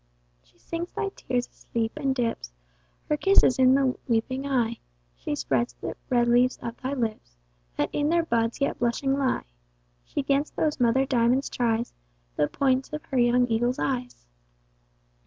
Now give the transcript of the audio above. She sings thy tears asleep, and dips Her kisses in thy weeping eye, She spreads the red leaves of thy lips, That in their buds yet blushing lie. She 'gainst those mother diamonds tries The points of her young eagle's eyes.